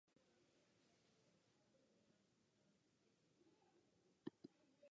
Holloway was born in Leamington Spa.